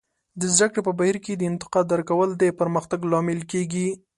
د زده کړې په بهیر کې د انتقاد درک کول د پرمختګ لامل کیږي.